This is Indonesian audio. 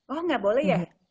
oh gak boleh ya